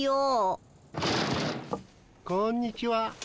・こんにちは。